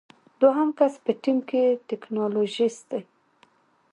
دوهم کس په ټیم کې ټیکنالوژیست دی.